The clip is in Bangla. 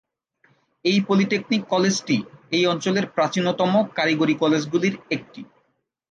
এই পলিটেকনিক কলেজটি এই অঞ্চলের প্রাচীনতম কারিগরি কলেজগুলির একটি।